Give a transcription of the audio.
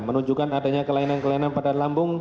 menunjukkan adanya kelainan kelainan pada lambung